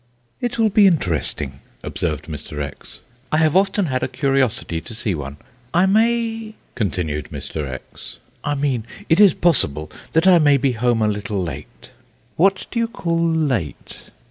"It will be interesting," observed Mr. X. "I have often had a curiosity to see one. I may," continued Mr. X., "I mean it is possible, that I may be home a little late." "What do you call late?"